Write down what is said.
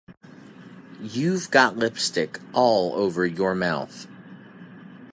You've got lipstick all over your mouth.